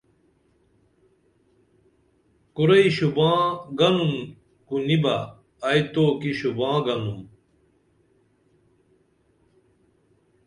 کُرئی شُباں گنُن کُنی بہ ائی توکی شُباں گنُم